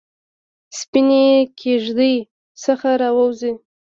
سپینې کیږ دۍ څخه راووزي